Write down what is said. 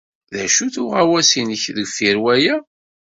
D acu-t uɣawas-nnek deffir waya?